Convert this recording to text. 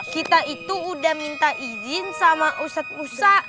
kita itu udah minta izin sama ustadz ustadz